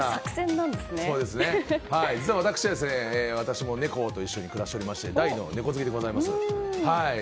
実は私も猫と一緒に暮らしておりまして大の猫好きでございます。